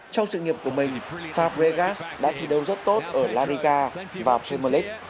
trong sự nghiệp của mình fabregas đã thi đấu rất tốt ở la liga và premier league